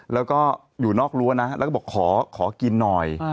แล้วก็อยู่นอกรั้วนะแล้วก็บอกขอกินหน่อย